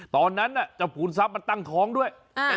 ตอนนั้นจ้าภูลซับจะตั้งของด้วยอย่างนั้นอ่า